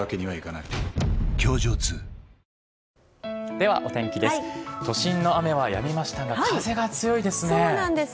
では、お天気です。